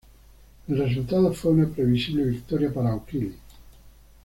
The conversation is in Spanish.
El resultado fue una previsible victoria para O'Kelly.